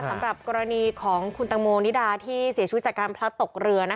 สำหรับกรณีของคุณตังโมนิดาที่เสียชีวิตจากการพลัดตกเรือ